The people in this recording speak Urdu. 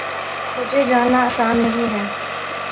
مجھے جاننا آسان نہیں ہے